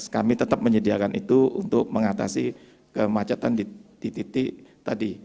kami tetap menyediakan itu untuk mengatasi kemacetan di titik tadi